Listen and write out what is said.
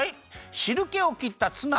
しるけをきったツナ。